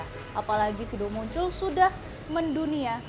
apalagi sido muncul sudah mendunia